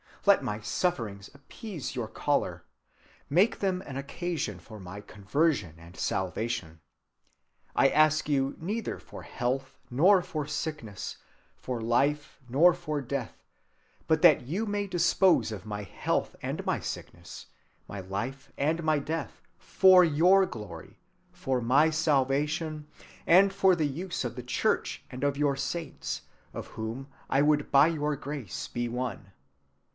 Let my sufferings appease your choler. Make them an occasion for my conversion and salvation. I ask you neither for health nor for sickness, for life nor for death; but that you may dispose of my health and my sickness, my life and my death, for your glory, for my salvation, and for the use of the Church and of your saints, of whom I would by your grace be one.